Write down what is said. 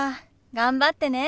頑張ってね。